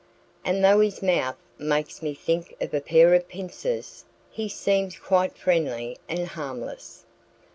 And though his mouth makes me think of a pair of pincers, he seems quite friendly and harmless."